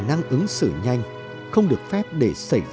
khả năng ứng xử nhanh không được phép để xảy ra sai sót dù là nhỏ nhất